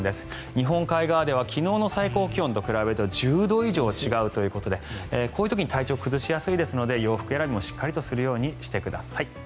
日本海側では昨日の最高気温と比べると１０度以上違うということでこういう時に体調を崩しやすいですので洋服選びもしっかりするようにしてください。